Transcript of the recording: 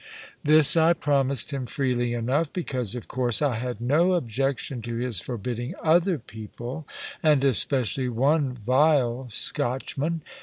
This I promised him freely enough, because, of course, I had no objection to his forbidding other people, and especially one vile Scotchman.